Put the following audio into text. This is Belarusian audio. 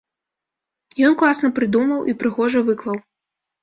Ён класна прыдумаў і прыгожа выклаў.